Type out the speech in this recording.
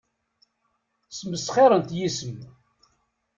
Ssmesxirent yes-m.